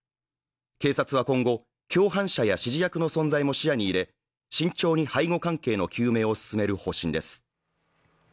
警察は今後、共犯者や指示役の存在を視野に入れ慎重に背後関係の究明を進める方針です。